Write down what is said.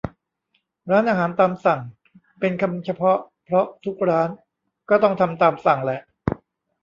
ร้านอาหารตามสั่ง เป็นคำเฉพาะ เพราะทุกร้านก็ต้องทำตามสั่งแหละ